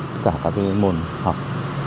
tất cả các môn học